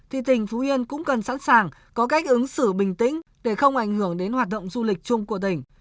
thì tỉnh phú yên cũng cần sẵn sàng có cách ứng xử bình tĩnh để không ảnh hưởng đến hoạt động du lịch chung của tỉnh